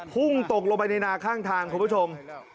พุ่งตกลงไปในนาข้างทางคุณผู้ชม